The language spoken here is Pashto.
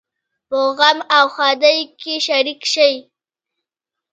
په غم او ښادۍ کې شریک شئ